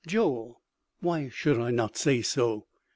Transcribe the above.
Joel (why should I not say so?)